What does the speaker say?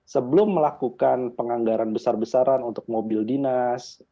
sebelum melakukan penganggaran besar besaran untuk mobil dinas